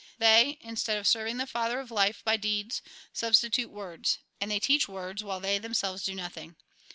They, instead of serving the Father of life by deeds, substitute words, and they teach words, A RECAPITULATION 205 ■while tliey themselves do nothing.